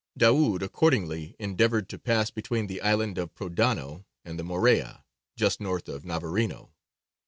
Daūd accordingly endeavoured to pass between the island of Prodano and the Morea, just north of Navarino.